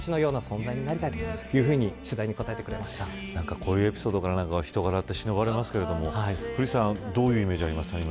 こういうエピソードから人柄ってしのばれますけれど古市さんどういうイメージありましたか。